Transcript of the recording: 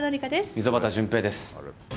溝端淳平です。